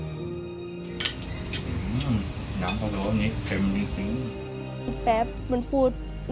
อื้อน้ำพะโล้นี้เผ็มดี